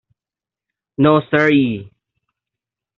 No-sir-ee.